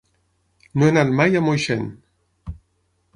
No he anat mai a Moixent.